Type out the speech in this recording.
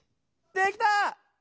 できた！